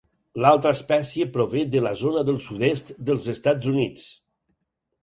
L'altra espècie prové de la zona del sud-est dels Estats Units.